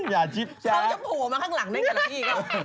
ว่าจะหัวมาข้างหลังอะไรกันอีกนะ